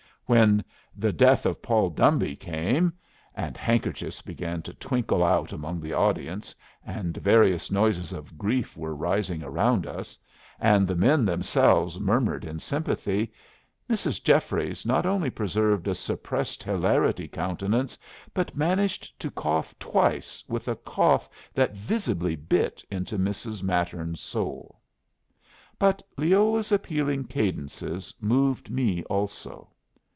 When the "Death of Paul Dombey" came, and handkerchiefs began to twinkle out among the audience, and various noises of grief were rising around us, and the men themselves murmured in sympathy, Mrs. Jeffries not only preserved a suppressed hilarity countenance, but managed to cough twice with a cough that visibly bit into Mrs. Mattern's soul. But Leola's appealing cadences moved me also.